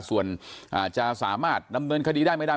ส่วนจะสามารถดำเนินคดีได้ไม่ได้